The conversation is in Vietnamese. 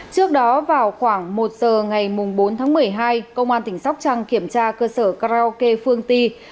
trước đó vào khoảng một giờ ngày bốn tháng một mươi hai công an tỉnh sóc trăng kiểm tra cơ sở karaoke phương ti